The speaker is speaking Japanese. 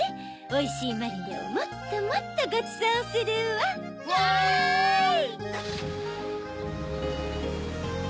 おいしいマリネをもっともっとごちそうするわ。わい！